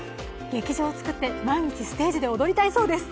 劇場を作って毎日ステージで踊りたいそうです。